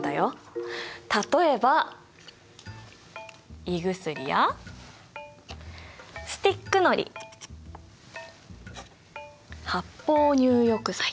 例えば胃薬やスティックのり発泡入浴剤。